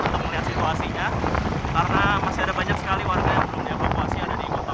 untuk melihat situasinya karena masih ada banyak sekali warga yang belum dievakuasi ada di kota